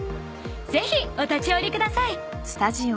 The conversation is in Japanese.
［ぜひお立ち寄りください］